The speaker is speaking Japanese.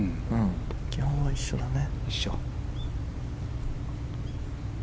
基本は一緒だね。